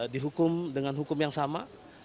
dihukum dengan hukum yang sama